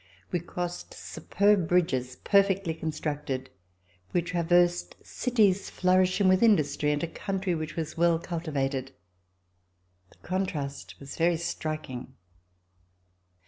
We crossed superb bridges perfectly constructed. We traversed cities flourishing with industry and a country which was well cultivated. The contrast was very striking.